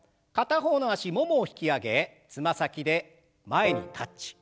片方の脚ももを引き上げつま先で前にタッチ。